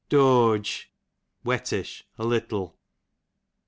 Doage, wettish, a little.